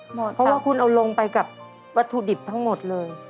เพราะว่าคุณเอาลงไปกับวัตถุดิบทั้งหมดเลย